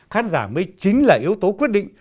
khán giả mới chính là yếu tố quyết định